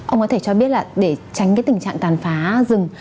ông có thể cho biết là để tránh cái tình trạng tàn phá rừng